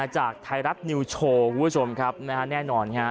จากธรรมดีโชว์คุณผู้ชมครับแน่นอน